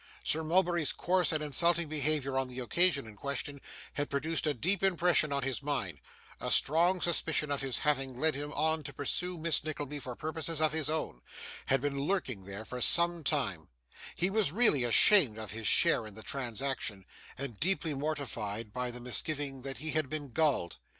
Sir Mulberry's coarse and insulting behaviour on the occasion in question had produced a deep impression on his mind; a strong suspicion of his having led him on to pursue Miss Nickleby for purposes of his own, had been lurking there for some time; he was really ashamed of his share in the transaction, and deeply mortified by the misgiving that he had been gulled.